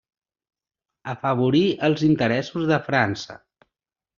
Afavorí els interessos de França.